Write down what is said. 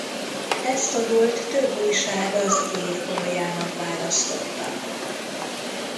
Ezt a gólt több újság az év góljának választotta.